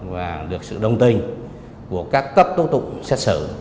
và được sự đồng tình của các cấp tố tục xét xử